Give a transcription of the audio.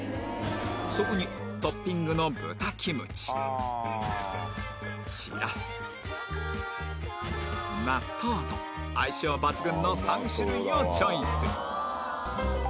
そこにトッピングの豚キムチしらす納豆と相性抜群の３種類をチョイス